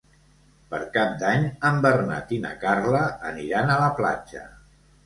Per Cap d'Any en Bernat i na Carla aniran a la platja.